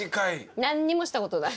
何にもしたことない。